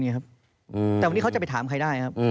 แต่วันนี้เขาจะไปถามใครได้ครับ